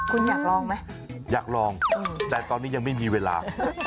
คุณอยากลองไหมอยากลองแต่ตอนนี้ยังไม่มีเวลา